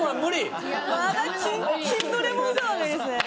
まだキンキンのレモンサワーがいいですね！